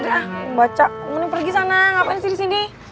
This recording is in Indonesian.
udah ah baca mending pergi sana ngapain sih disini